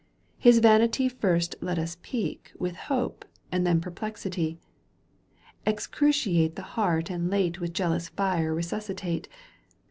His vanity first let us pique With hope and then perplexity. Excruciate the heart and late With jealous fire resuscitate.